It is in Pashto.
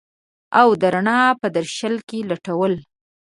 او د رڼا په درشل کي لټول